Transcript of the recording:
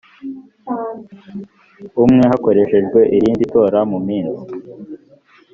umwe hakoreshwa irindi tora mu minsi